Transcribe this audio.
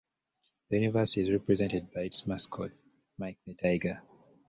The university is represented by its mascot, Mike the Tiger.